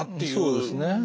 そうですね。